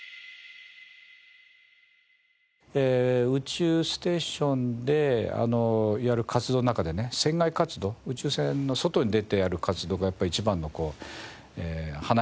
宇宙ステーションでいわゆる活動の中でね船外活動宇宙船の外に出てやる活動がやっぱ一番の花形だと思うんですけども。